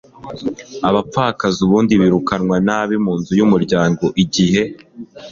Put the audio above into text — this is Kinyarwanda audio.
abapfakazi ubundi birukanwa nabi mu nzu y'umuryango igihe